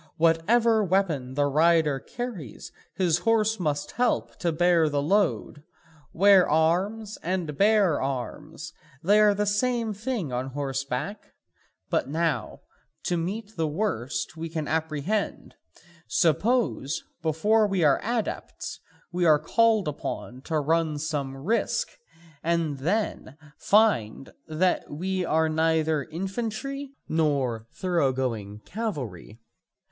Whatever weapon the rider carries his horse must help to bear the load: 'wear arms' and 'bear arms,' they are the same thing on horseback. But now, to meet the worst we can apprehend: suppose, before we are adepts, we are called upon to run some risk, and then find that we are neither infantry nor thoroughgoing cavalry?